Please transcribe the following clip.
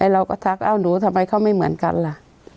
เราก็ทักเอ้าหนูทำไมเขาไม่เหมือนกันล่ะ